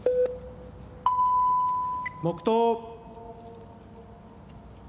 黙とう。